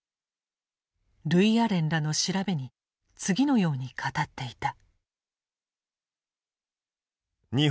ルイアレンらの調べに次のように語っていた。